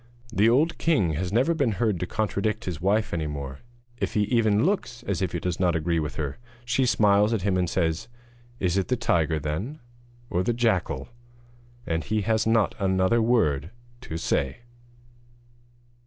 The old king has never been heard to contradict his wife any more. If he even looks as if he does not agree with her, she smiles at him and says: 'Is it the tiger, then? or the jackal?' And he has not another word to say.